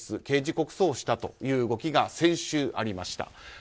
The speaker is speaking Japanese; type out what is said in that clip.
刑事告訴をしたという動きが先週、ありました。